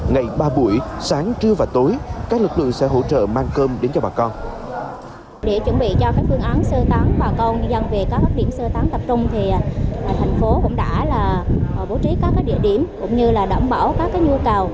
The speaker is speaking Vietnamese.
ngày ba buổi sáng trưa và tối các lực lượng sẽ hỗ trợ mang cơm đến cho bà con